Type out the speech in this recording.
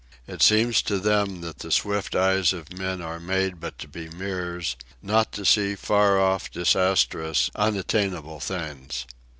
It seems to them that the swift eyes of men Are made but to be mirrors, not to see Far off, disastrous, unattainable things.